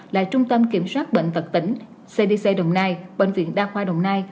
là trung tâm kiểm soát bệnh tật tỉnh cdc đồng nai bệnh viện đa khoa đồng nai